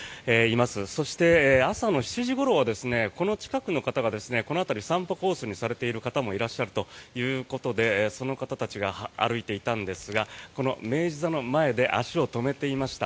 そして、朝の７時ごろこの近くの方がこの辺り散歩コースにされている方もいらっしゃるということでその方たちが歩いていたんですがこの明治座の前で足を止めていました。